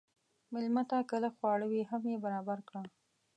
مېلمه ته که لږ خواړه وي، هم یې برابر کړه.